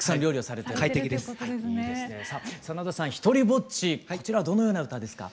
さあ真田さん「ひとりぼっち」こちらはどのような歌ですか？